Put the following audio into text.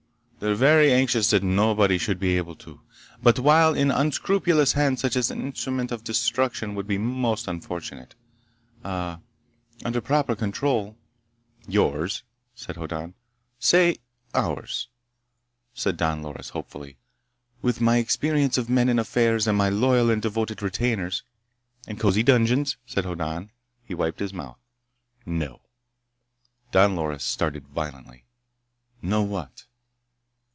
They're very anxious that nobody should be able to. But while in unscrupulous hands such an instrument of destruction would be most unfortunate ... ah ... under proper control—" "Yours," said Hoddan. "Say—ours," said Don Loris hopefully. "With my experience of men and affairs, and my loyal and devoted retainers—" "And cozy dungeons," said Hoddan. He wiped his mouth. "No." Don Loris started violently. "No, what?"